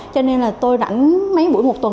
cho nên là tôi rảnh mấy buổi một tuần